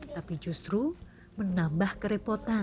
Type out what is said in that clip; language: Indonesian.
tapi justru menambah kerepotan